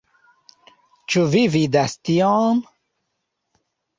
Ĉu vi vidas tion?